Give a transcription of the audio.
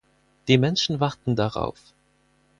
Die Menschen warten darauf.